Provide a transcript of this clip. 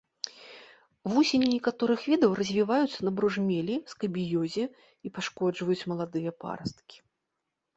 Вусені некаторых відаў развіваюцца на бружмелі, скабіёзе і пашкоджваюць маладыя парасткі.